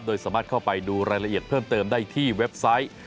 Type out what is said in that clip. โดยสามารถเข้าไปดูรายละเอียดเพิ่มเติมได้ที่เว็บไซต์